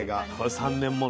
３年もの。